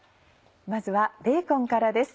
まずはベーコンからです。